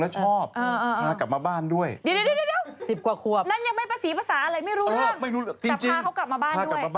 แล้วจะไปเจอผู้หญิงแบบนึงไม่รู้